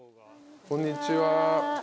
こんにちは。